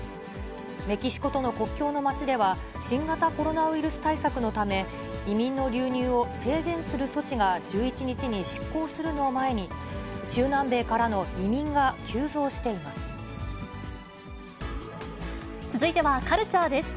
メキシコとの国境の町では、新型コロナウイルス対策のため、移民の流入を制限する措置が１１日に失効するのを前に、中南米か続いてはカルチャーです。